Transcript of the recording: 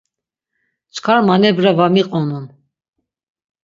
Çkar manebra va miqonun.